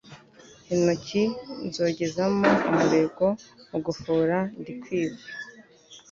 Intoke nzogezamo umuregoMu gufora ndikwiza